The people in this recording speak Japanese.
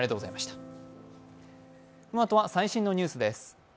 このあとは最新のニュースです。